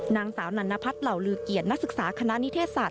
นางสาวนันนพัฒน์เหล่าลือเกียรตินักศึกษาคณะนิเทศศาส